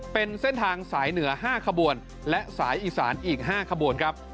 เป็นเส้นทางสายเหนือ๕ขบวนและสายอีสานอีก๕ขบวนครับ